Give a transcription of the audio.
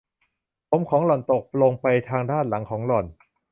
ผมของหล่อนตกลงไปทางด้านหลังของหล่อน